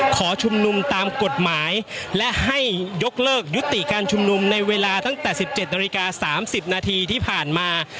ขอชุมนุมตามกฎหมายและให้ยกเลิกยุติการชุมนุมในเวลาตั้งแต่๑๗นาฬิกา๓๐นาทีที่ผ่านมา